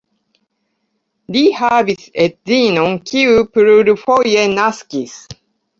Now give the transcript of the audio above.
Li havis edzinon, kiu plurfoje naskis.